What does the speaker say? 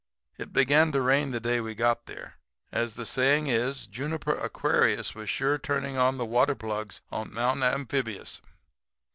It began to rain the day we got there. As the saying is, Juniper Aquarius was sure turning on the water plugs on Mount Amphibious.